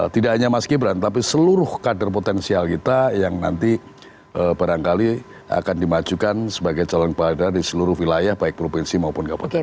tidak hanya mas gibran tapi seluruh kader potensial kita yang nanti barangkali akan dimajukan sebagai calon kepala daerah di seluruh wilayah baik provinsi maupun kabupaten